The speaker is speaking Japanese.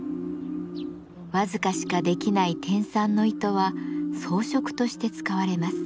僅かしかできない天蚕の糸は装飾として使われます。